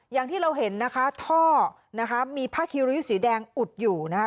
อย่างที่เราเห็นนะคะท่อนะคะมีผ้าคิริสีแดงอุดอยู่นะคะ